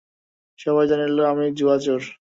সবাই জানিল, আমি জুয়াচোর।